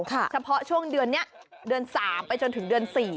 เข้าแต่เวียดจนถึงเดือน๔๕ม